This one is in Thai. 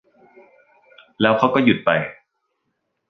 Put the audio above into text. แล้วเขาก็หยุดไป